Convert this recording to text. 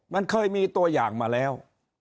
มันเคยมีตัวอย่างมาแล้ว